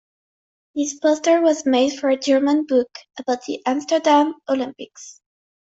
This poster was made for a German book about the Amsterdam Olympics.